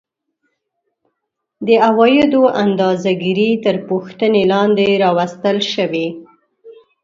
د عوایدو اندازه ګیري تر پوښتنې لاندې راوستل شوې